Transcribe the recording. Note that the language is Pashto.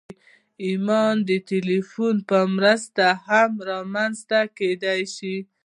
ایمان د تلقین په مرسته هم رامنځته کېدای شي